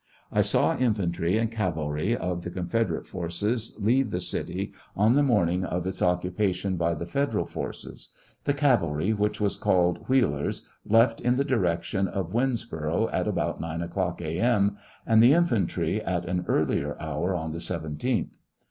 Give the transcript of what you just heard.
I saw infantry and cavalry of the Confedorate forces leave the city on the morning of its occupation by the Federal forces. The cavalry which was called " Wheel er's," left in the direction of Winnsboro', at about 9 o'clock, A. M., and the infantry at an earlier hoor, on the 17th.